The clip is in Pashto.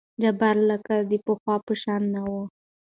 جبار لکه د پخوا په شان نه وو.